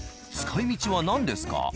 使いみちは何ですか？